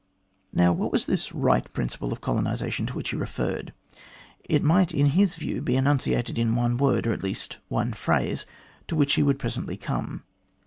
Now, what was this right principle of colonisation to which he referred ? It might, in his view, be enunciated in one word, or at least one phrase, to which he would presently come.